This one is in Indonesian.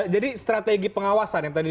jadi strategi pengawasan yang tadi